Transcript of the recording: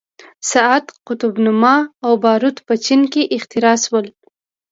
ساعت، قطب نما او باروت په چین کې اختراع شول.